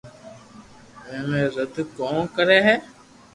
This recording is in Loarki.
ايتي رڙ ڪون ڪري ھي